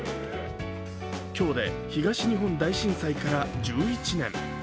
今日で東日本大震災から１１年。